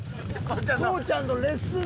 コウちゃんのレッスン時。